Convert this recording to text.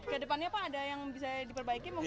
ke depannya apa ada yang bisa diperbaiki